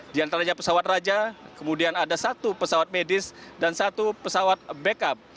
di antaranya pesawat raja kemudian ada satu pesawat medis dan satu pesawat backup